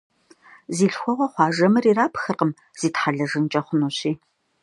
Зи лъхуэгъуэ хъуа жэмыр ирапхыркъым, зитхьэлэжынкӀэ хъунущи.